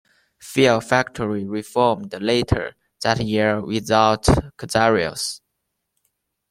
Fear Factory reformed later that year without Cazares.